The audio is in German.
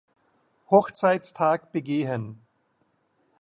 Hochzeitstag begehen.